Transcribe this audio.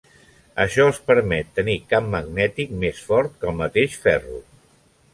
Això els permet tenir camp magnètic més fort que el mateix ferro.